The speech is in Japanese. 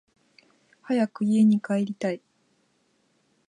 早く家に帰りたい